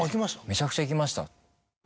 めちゃくちゃ生きました。